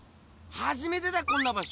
はじめてだこんな場所。